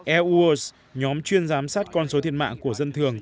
air wars nhóm chuyên giám sát con số thiệt mạng của dân thường